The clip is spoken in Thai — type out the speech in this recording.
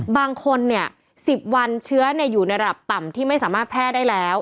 บางคน๑๐วันเชื้ออยู่ในระดับต่ำที่ไม่สามารถแพร่ได้แล้ว